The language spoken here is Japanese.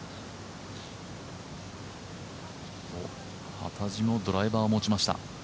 幡地もドライバーを持ちました。